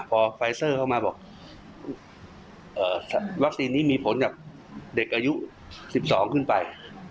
พอไฟเซอร์เข้ามาบอกวัคซีนนี้มีผลกับเด็กอายุ๑๒ขึ้นไป